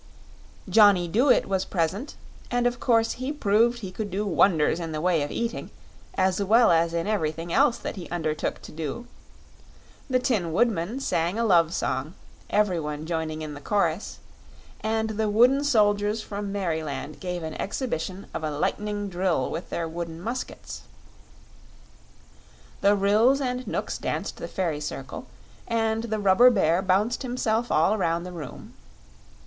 Johnny Dooit was present, and of course he proved he could do wonders in the way of eating, as well as in everything else that he undertook to do; the Tin Woodman sang a love song, every one joining in the chorus; and the wooden soldiers from Merryland gave an exhibition of a lightning drill with their wooden muskets; the Ryls and Knooks danced the Fairy Circle; and the Rubber Bear bounced himself all around the room.